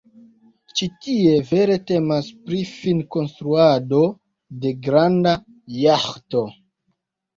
Ĉi tie vere temas pri finkonstruado de granda jaĥto.